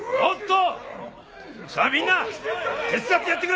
さあみんな手伝ってやってくれ！